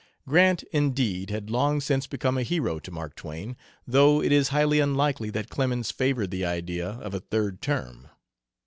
Grant, indeed, had long since become a hero to Mark Twain, though it is highly unlikely that Clemens favored the idea of a third term.